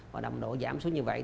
và động độ giảm xuống như vậy